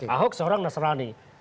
ahok seorang nasrani